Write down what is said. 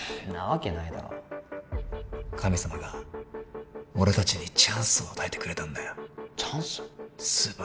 んなわけないだろ神様が俺達にチャンスを与えてくれたんだよチャンス？